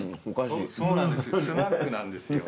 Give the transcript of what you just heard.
そうなんですよ